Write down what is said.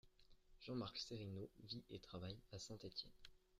Jean-Marc Cerino vit et travaille à Saint-Étienne.